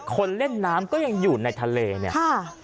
เล่นน้ำก็ยังอยู่ในทะเลเนี่ย